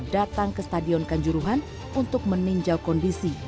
datang ke stadion kanjuruhan untuk meninjau kondisi